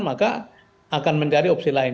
maka akan mencari opsi lain